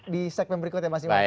di segmen berikut ya mas iwan